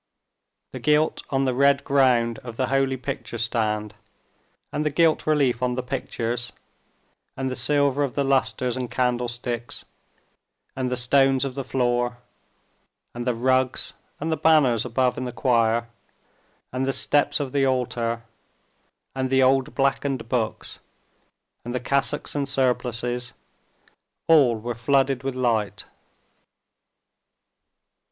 The gilt on the red ground of the holy picture stand, and the gilt relief on the pictures, and the silver of the lusters and candlesticks, and the stones of the floor, and the rugs, and the banners above in the choir, and the steps of the altar, and the old blackened books, and the cassocks and surplices—all were flooded with light.